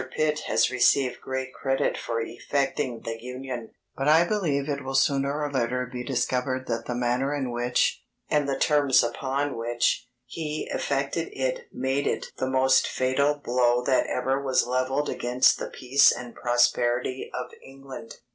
Pitt has received great credit for effecting the Union; but I believe it will sooner or later be discovered that the manner in which, and the terms upon which, he effected it made it the most fatal blow that ever was levelled against the peace and prosperity of England.